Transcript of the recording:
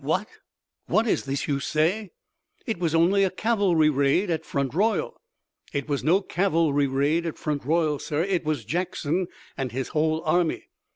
"What! What is this you say! It was only a cavalry raid at Front Royal!" "It was no cavalry raid at Front Royal, sir! It was Jackson and his whole army!